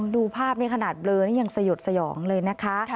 ดูภาพนี่ขนาดเบลอนี่ยังสยดสยองเลยนะคะ